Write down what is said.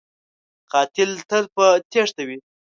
قاتل تل په تیښته وي